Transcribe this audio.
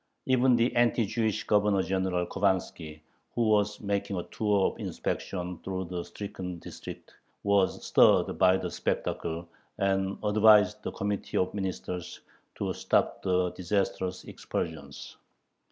Even the anti Jewish Governor General Khovanski, who was making a tour of inspection through the stricken district, was stirred by the spectacle, and advised the Committee of Ministers to stop the disastrous expulsions.